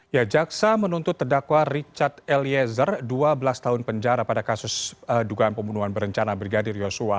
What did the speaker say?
ya jaksa menuntut terdakwa richard eliezer dua belas tahun penjara pada kasus dugaan pembunuhan berencana brigadir yosua